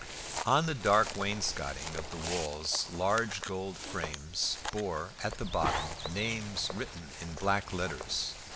On the dark wainscoting of the walls large gold frames bore at the bottom names written in black letters.